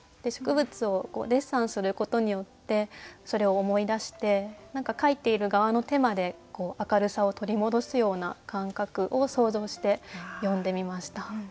植物をデッサンすることによってそれを思い出して何か描いている側の手まで明るさを取り戻すような感覚を想像して詠んでみました。